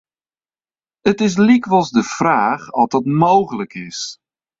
It is lykwols de fraach oft dat mooglik is.